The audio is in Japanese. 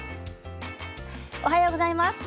おはようございます。